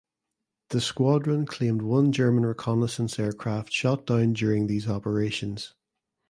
The squadron claimed one German reconnaissance aircraft shot down during these operations.